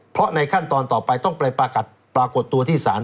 เพราะในขั้นตอนต่อไปต้องไปปรากฏตัวที่ศาล